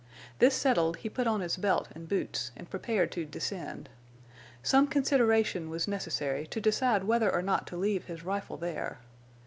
This settled, he put on his belt and boots and prepared to descend. Some consideration was necessary to decide whether or not to leave his rifle there.